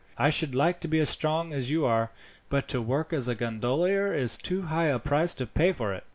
I should like to be as strong as you are, but to work as a gondolier is too high a price to pay for it."